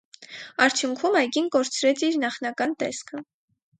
Արդյունքում՝ այգին կորցրեց իր նախնական տեսքը։